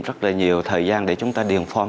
rất là nhiều thời gian để chúng ta điền phong